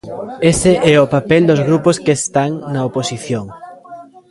Ese é o papel dos grupos que están na oposición.